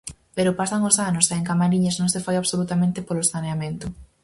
Pero pasan os anos e en Camariñas non se fai absolutamente polo saneamento.